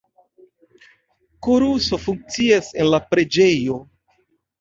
Koruso funkcias en la preĝejo.